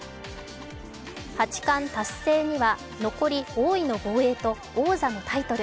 八冠達成には残り、王位の防衛と王座のタイトル。